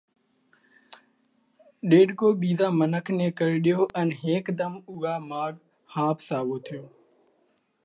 ڏيڏڪو ٻِيزا منک نئہ ڪرڙيو ان هيڪڌم اُوئا ماڳ ۿاپ ساوو ٿيو۔